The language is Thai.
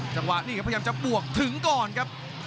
จังหวะนี่ครับพยายามจะบวกถึงก่อนครับ